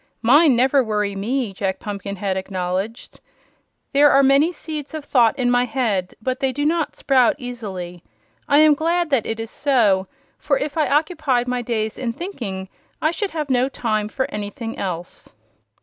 "Mine never worry me," Jack Pumpkinhead acknowledged. "There are many seeds of thought in my head, but they do not sprout easily. I am glad that it is so, for if I occupied my days in thinking I should have no time for anything else."